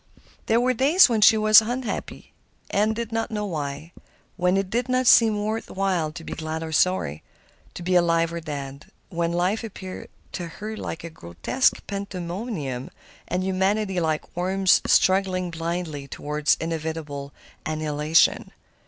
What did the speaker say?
There were days when she was unhappy, she did not know why,—when it did not seem worth while to be glad or sorry, to be alive or dead; when life appeared to her like a grotesque pandemonium and humanity like worms struggling blindly toward inevitable annihilation.